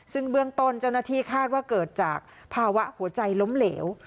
ซึ่งเบื้องต้นเจ้าหน้าที่คาดว่าเกิดจากภาวะหัวใจล้มเหลว